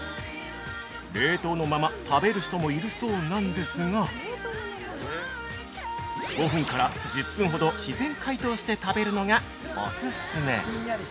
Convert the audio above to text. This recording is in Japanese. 冷凍のまま食べる人もいるそうなんですが、５分から１０分ほど自然解凍して食べるのがオススメ！